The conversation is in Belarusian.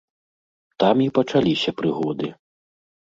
Там і пачаліся прыгоды.